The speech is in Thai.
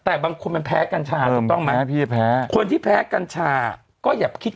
แต่บางคนมันแพ้กัญชาคือต้องมาแพ้ขี้แพ้คนที่แพ้กัญชาก็อยากคิดจะ